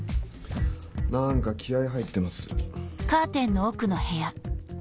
何か気合入ってます。